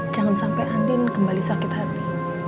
jangan sampai andin kembali sakit hati